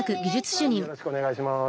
よろしくお願いします。